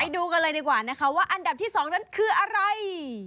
ดูกันเลยดีกว่านะคะว่าอันดับที่๒นั้นคืออะไร